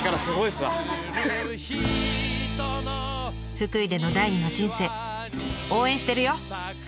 福井での第二の人生応援してるよ！